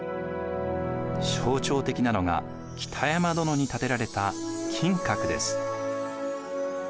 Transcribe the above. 象徴的なのが北山殿に建てられた金閣です。